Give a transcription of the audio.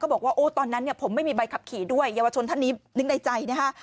เขาบอกว่าตอนนั้นผมไม่มีใบขับขี่ด้วยเยาวชนท่านนี้นึกในใจนะคะ